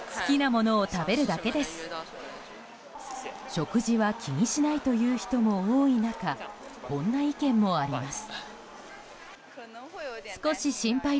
食事は気にしないという人も多い中こんな意見もあります。